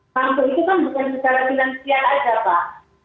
mangsa itu kan bukan secara finansial saja pak